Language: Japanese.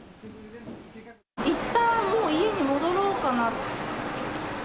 いったん、もう家に戻ろうかな。